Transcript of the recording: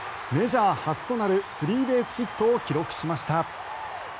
メジャー初となるスリーベースヒットを記録しました。